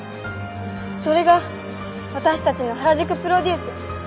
それが私たちの原宿プロデュース。